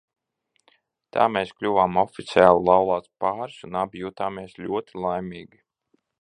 Tā mēs kļuvām oficiāli laulāts pāris un abi jutāmies ļoti laimīgi.